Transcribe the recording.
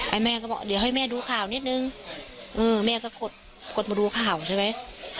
แม่ก็บอกเดี๋ยวให้แม่ดูข่าวนิดนึงเออแม่ก็กดมาดูข่าวใช่ไหม